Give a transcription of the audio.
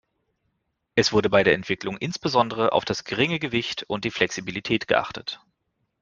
Es wurde bei der Entwicklung insbesondere auf das geringe Gewicht und die Flexibilität geachtet.